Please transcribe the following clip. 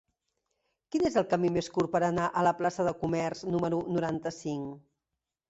Quin és el camí més curt per anar a la plaça del Comerç número noranta-cinc?